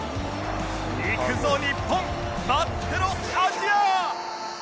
いくぞ日本待ってろアジア！